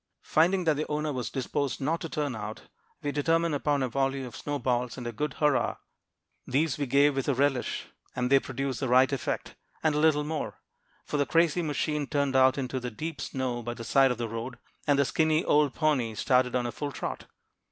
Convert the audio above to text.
Finding that the owner was disposed not to turn out, we determined upon a volley of snowballs and a good hurrah. These we gave with a relish, and they produced the right effect, and a little more; for the crazy machine turned out into the deep snow by the side of the road, and the skinny old pony started on a full trot.